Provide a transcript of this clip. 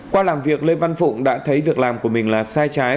qua làm việc lê văn phụng đã thấy việc làm của mình là sai trái